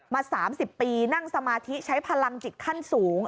มา๓๐ปีนั่งสมาธิใช้พลังจิตขั้นสูง